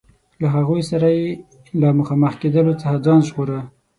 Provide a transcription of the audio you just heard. له هغوی سره یې له مخامخ کېدلو څخه ځان ژغوره.